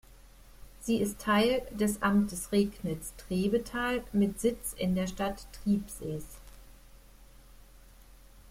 Sie ist Teil des Amtes Recknitz-Trebeltal mit Sitz in der Stadt Tribsees.